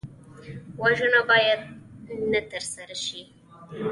وژنه باید نه ترسره شي